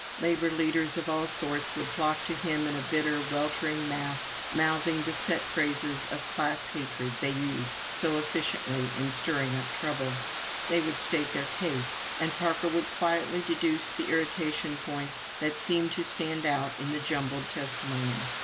... Labor leaders of all sorts would flock to him in a bitter, weltering mass, mouthing the set phrases of class hatred they use so effectually in stirring up trouble. They would state their case. And Parker would quietly deduce the irritation points that seemed to stand out in the jumbled testimony.